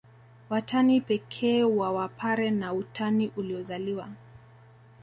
Watani pekee wa Wapare na utani uliozaliwa